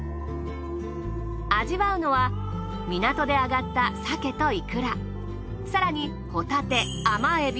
味わうのは港で揚がった鮭といくら更にホタテ甘エビ